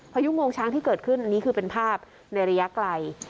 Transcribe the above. พายุงวงช้างที่เกิดขึ้นอันนี้คือเป็นภาพในระยะไกล